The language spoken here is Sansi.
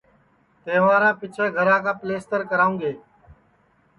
تہوارا پیچھیں گھرا کا پیلستر کراوں گے